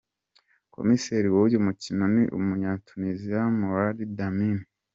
Komiseri w’uyu mukino ni Umunyatuniziya Mourad Daami.